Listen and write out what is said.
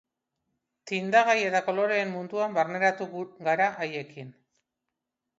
Tindagai eta koloreen munduan barneratu gara haiekin.